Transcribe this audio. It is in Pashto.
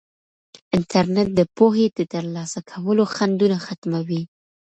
انټرنیټ د پوهې د ترلاسه کولو خنډونه ختموي.